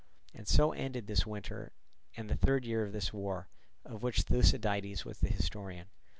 And so ended this winter, and the third year of this war, of which Thucydides was the historian.